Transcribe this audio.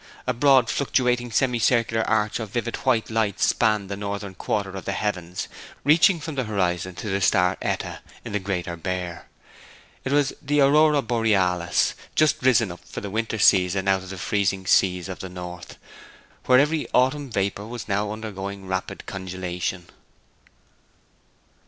A broad, fluctuating, semicircular arch of vivid white light spanned the northern quarter of the heavens, reaching from the horizon to the star Eta in the Greater Bear. It was the Aurora Borealis, just risen up for the winter season out of the freezing seas of the north, where every autumn vapour was now undergoing rapid congelation.